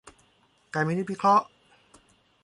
การพินิจพิเคราะห์